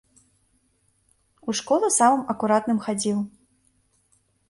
У школу самым акуратным хадзіў.